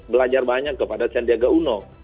belajar banyak kepada sandiaga uno